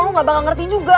lo gak bakal ngerti juga